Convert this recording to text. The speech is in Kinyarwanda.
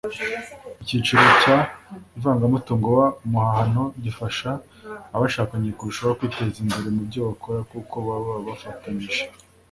Icyiciro cya Ivangamutungo w umuhahano gifasha abashakanye kurushaho kwiteza imbere mubyo bakora kuko baba bafatanyije